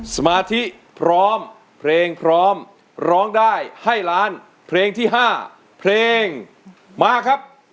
สมาธิพร้อมเพลงพร้อมร้องได้ให้ล้านเพลงที่๕เพลงมาครับ